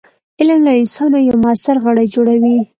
علم له انسانه یو موثر غړی جوړوي.